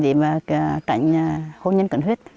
đi vào cảnh hôn nhân cận huyết